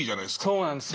そうなんですよ。